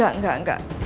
gak enggak enggak